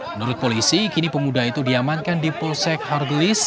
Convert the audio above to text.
menurut polisi kini pemuda itu diamankan di polsek hardlis